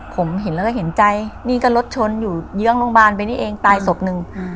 ผมเห็นแล้วก็เห็นใจนี่ก็รถชนอยู่เยื้องโรงพยาบาลไปนี่เองตายศพหนึ่ง